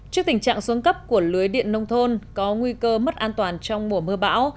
trước tình trạng xuống cấp của lưới điện nông thôn có nguy cơ mất an toàn trong mùa mưa bão